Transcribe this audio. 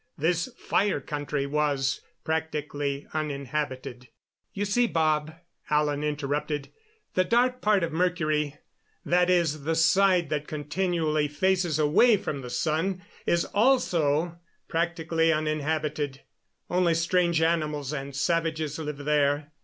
This Fire Country was practically uninhabited. "You see, Bob," Alan interrupted, "the dark part of Mercury that is the side that continually faces away from the sun is also practically uninhabited. Only strange animals and savages live there.